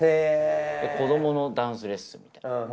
子供のダンスレッスンみたいな。